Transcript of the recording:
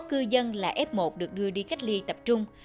cư dân là f một được đưa đi cách ly tập trung